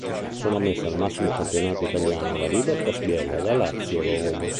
Sono ammesse al massimo campionato italiano la Libertas Biella e la Lazio Roma.